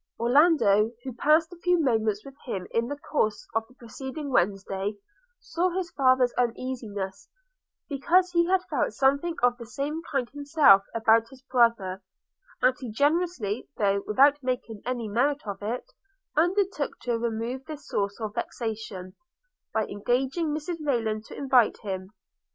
Orlando, who passed a few moments with him in the course of the preceding Wednesday, saw his father's uneasiness, because he had felt something of the same kind himself about his brother; and he generously, though without making any merit of it, undertook to remove this source of vexation, by engaging Mrs Rayland to invite him.